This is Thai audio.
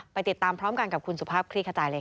ไปติดตามพร้อมกันกับคุณสุภาพครีกษัตริย์เลยค่ะ